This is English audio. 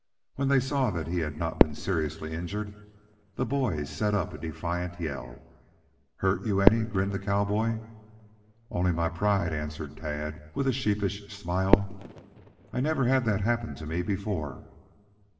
When they saw that he had not been seriously injured the boys set up a defiant yell. "Hurt you any?" grinned the cowboy. "Only my pride," answered Tad, with a sheepish smile. "I never had that happen to me before."